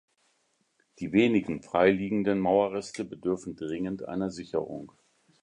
Die wenigen freiliegenden Mauerreste bedürfen dringend einer Sicherung.